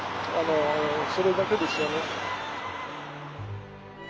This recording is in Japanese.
それだけですよね。